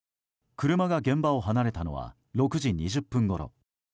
車が現場を離れたのは６時２０分ごろ。